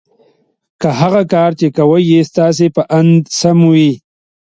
که هغه کار چې کوئ یې ستاسې په اند سم وي